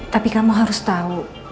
tapi kamu harus tahu